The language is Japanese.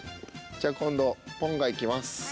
じゃあ今度ぽんがいきます。